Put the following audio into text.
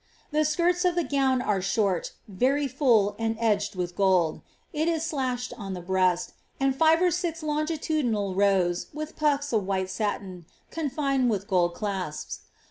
The skirts of the gown ire short, very full, and edged with gold. It is sla^ihed on the breast, n &fe or six longitudinal rows, with puffs of white satin, confined with ^Id clasps.